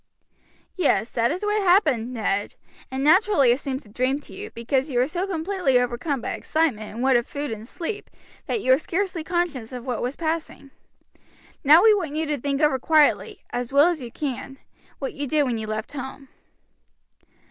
"Yes, that is what happened, Ned, and naturally it seems a dream to you, because you were so completely overcome by excitement and want of food and sleep that you were scarcely conscious of what was passing. Now we want you to think over quietly, as well as you can, what you did when you left home."